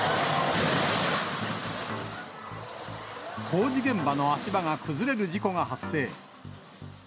工事現場の足場が崩れる事故が発生。